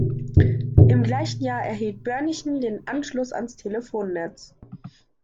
Im gleichen Jahr erhielt Börnichen den Anschluss ans Telefonnetz.